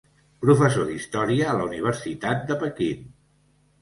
Professor d'Història a la Universitat de Pequín.